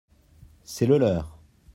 C’est le leur.